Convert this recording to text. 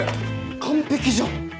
完璧じゃん。